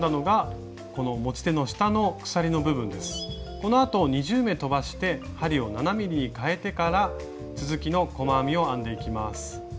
このあと２０目とばして針を７ｍｍにかえてから続きの細編みを編んでいきます。